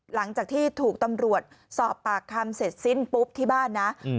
หลังจากที่ถูกตำรวจสอบปากคำเสร็จสิ้นปุ๊บที่บ้านนะ